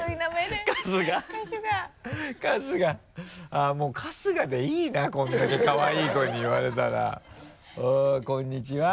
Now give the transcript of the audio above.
あっもう「春日」でいいなこれだけかわいい子に言われたらこんにちは。